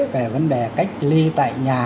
về vấn đề cách ly tại nhà